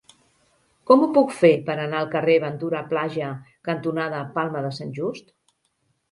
Com ho puc fer per anar al carrer Ventura Plaja cantonada Palma de Sant Just?